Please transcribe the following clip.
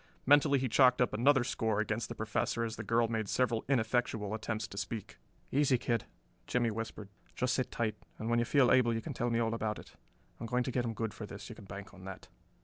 Mentally he chalked up another score against the Professor as the girl made several ineffectual attempts to speak. "Easy, kid," Jimmie whispered. "Just sit tight, and when you feel able you can tell me all about it. I'm going to get him good for this, you can bank on that."